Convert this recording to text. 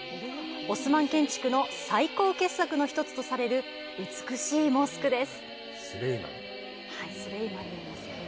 オスマン建築の最高傑作の一つとされる美しいモスクです。